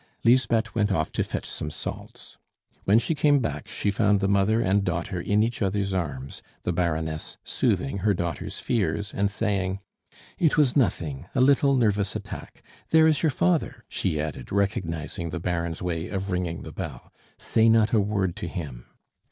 Lisbeth went off to fetch some salts. When she came back, she found the mother and daughter in each other's arms, the Baroness soothing her daughter's fears, and saying: "It was nothing; a little nervous attack. There is your father," she added, recognizing the Baron's way of ringing the bell. "Say not a word to him."